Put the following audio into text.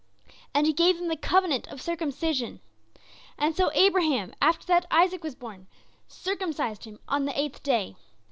And he gave him the covenant of circumcision. And so Abraham after that Isaac was born, circumcised him on the eighth day.